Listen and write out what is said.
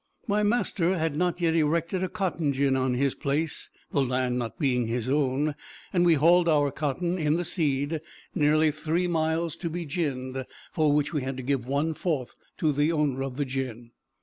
My master had not yet erected a cotton gin on his place the land not being his own and we hauled our cotton, in the seed, nearly three miles to be ginned, for which we had to give one fourth to the owner of the gin.